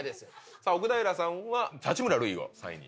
さぁ奥平さんは八村塁を３位に。